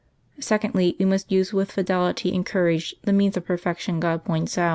Secondly, we must use with fidelity and courage the means of perfection God points out.